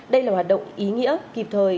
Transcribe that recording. đây là hoạt động ý nghĩa kịp thời